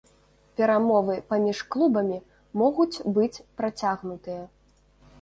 Перамовы паміж клубамі могуць быць працягнутыя.